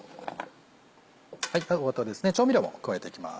あと調味料を加えていきます。